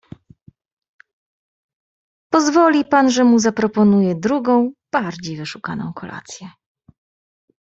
"Pozwoli pan, że mu zaproponuję drugą, bardziej wyszukaną, kolację?"